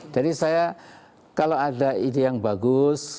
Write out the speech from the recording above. jadi saya kalau ada ide yang bagus